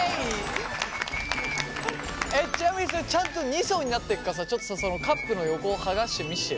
ちなみにそれちゃんと２層になってるかちょっとそのカップの横を剥がして見してよ。